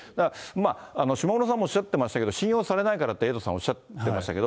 まあ、下村さんもおっしゃってましたけど、信用されないからって、エイトさんおっしゃってましたけ